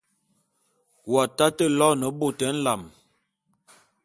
W'atate loene bôt nlam.